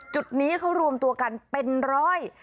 จุดนี้เขารวมตัวกันเป็นร้อย